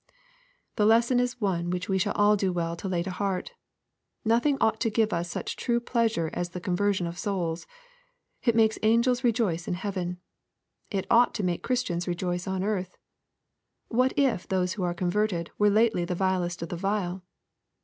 The lesson is one which we shall all do well to lay to heart. Nothing ought to give us such true pleasure as the conversion of souls. It makes angels rejoice in tieaven. It ought to make Christians rejoice on earth. What if those who are converted were lately the vilest of the vile